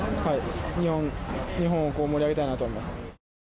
日本を盛り上げたいと思います。